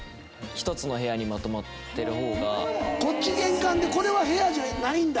こっち玄関でこれは部屋じゃないんだ？